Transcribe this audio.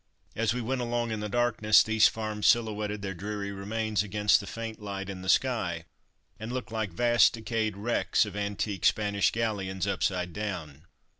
As we went along in the darkness these farms silhouetted their dreary remains against the faint light in the sky, and looked like vast decayed wrecks of antique Spanish galleons upside down.